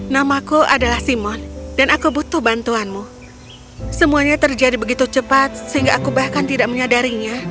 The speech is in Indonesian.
namaku adalah simon dan aku butuh bantuanmu semuanya terjadi begitu cepat sehingga aku bahkan tidak menyadarinya